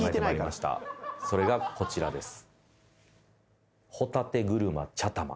それがこちらです。